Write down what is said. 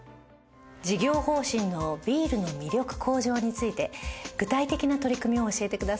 事業方針の「ビールの魅力向上」について具体的な取り組みを教えてください。